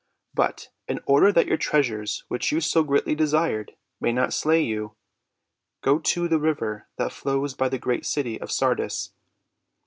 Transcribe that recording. But, in order that your treasures, which you so greatly desired, may not slay you, go to the river that flows by the great city of Sardis.